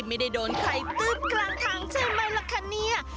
ไม่ได้โดนใครตึ๊บกลางทางใช่ไหมล่ะคะเนี่ย